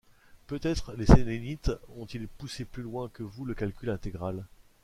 Peut-être les Sélénites ont-ils poussé plus loin que vous le calcul intégral!